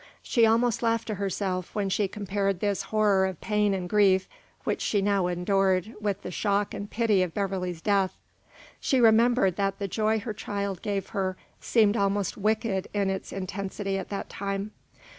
She almost laughed to herself when she compared this horror of pain and grief which she now endured with the shock and pity of Beverley's death. She remembered that the joy her child gave her seemed almost wicked in its intensity at that time.